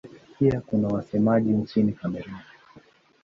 Pia kuna wasemaji nchini Kamerun.